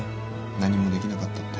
何もできなかったって。